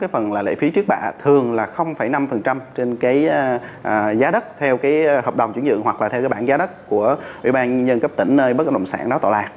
phần lệ phí trước bạ thường là năm trên giá đất theo hợp đồng chuyển nhượng hoặc là theo bản giá đất của ủy ban nhân dân cấp tỉnh nơi bất đồng sản đó tọa lạc